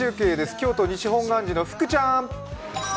京都・西本願寺の福ちゃん！